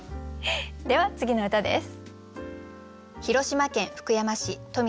では次の歌です。